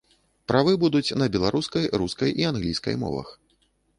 Правы будуць на беларускай, рускай і англійскай мовах.